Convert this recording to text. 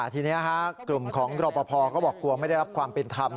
ทีนี้กลุ่มของรอปภก็บอกกลัวไม่ได้รับความเป็นธรรม